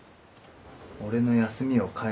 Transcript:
俺の休みを返せ。